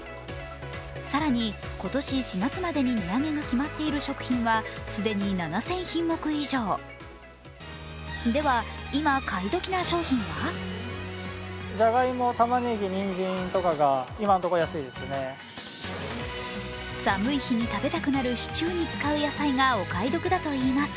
更に、今年４月までに値上げが決まっている食品は既に７０００品目以上では、今、買いどきな商品は寒い日に食べたくなるシチューに使う野菜がお買い得だといいます。